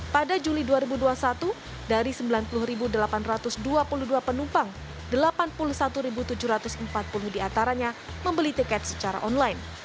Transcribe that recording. pada juli dua ribu dua puluh satu dari sembilan puluh delapan ratus dua puluh dua penumpang delapan puluh satu tujuh ratus empat puluh diantaranya membeli tiket secara online